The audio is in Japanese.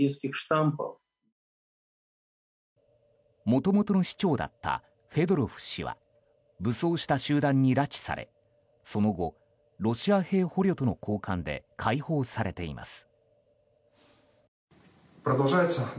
もともとの市長だったフェドロフ氏は武装した集団に拉致されその後、ロシア兵捕虜との交換で解放されています。